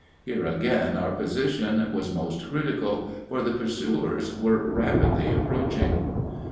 Here again our position was most critical, for the pursuers were rapidly approaching.